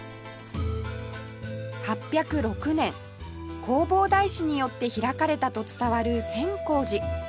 ８０６年弘法大師によって開かれたと伝わる千光寺